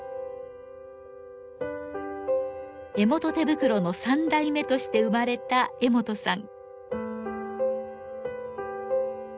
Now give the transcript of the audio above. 江本手袋の三代目として生まれた江本さん。